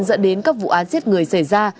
dẫn đến các vụ án giết người xảy ra